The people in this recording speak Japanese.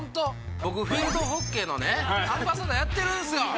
僕フィールドホッケーのねアンバサダーやってるんですよ。